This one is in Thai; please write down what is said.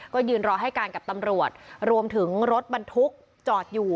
ก็ยืนรอให้การกับตำรวจรวมถึงรถบรรทุกจอดอยู่